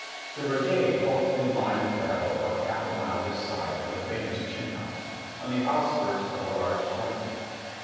The brigade halted in line of battle about half a mile this side of the famous Chinn House, on the outskirts of a large corn field.